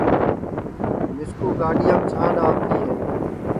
مِسکُو گاڈِِؔؔیام چھانڈؔ آوتی ہے